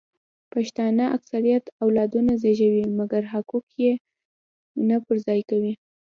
پښتانه اکثریت اولادونه زیږوي مګر حقوق یې نه پر ځای کوي